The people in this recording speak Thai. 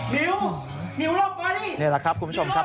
นี่แหละครับคุณผู้ชมครับ